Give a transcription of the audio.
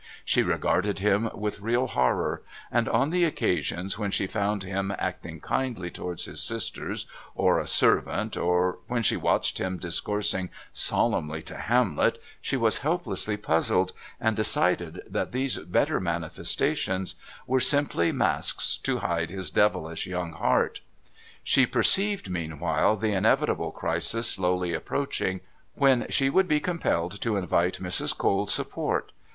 She regarded him with real horror, and on the occasions when she found him acting kindly towards his sisters or a servant, or when she watched him discoursing solemnly to Hamlet, she was helplessly puzzled, and decided that these better manifestations were simply masks to hide his devilish young heart. She perceived meanwhile the inevitable crisis slowly approaching, when she would be compelled to invite Mrs. Cole's support.